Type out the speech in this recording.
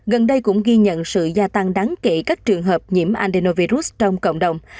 gần đây cũng ghi nhận sự gia tăng đáng kể các trường hợp nhiễm andenovirus trong cộng đồng